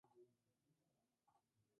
China, sin considerar la nacionalidad.